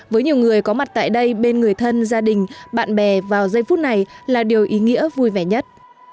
với nhiều người có mặt tại đây bên người thân gia đình bạn bè vào giây phút này là điều ý nghĩa vui vẻ nhất